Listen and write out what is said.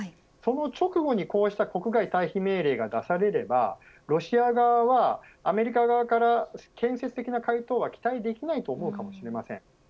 その直後にこうした国外退避命令が出されればロシア側はアメリカ側から建設的な回答は期待できないと思うかもしれません。